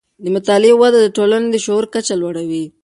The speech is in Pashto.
د مطالعې وده د ټولنې د شعور کچې لوړوي.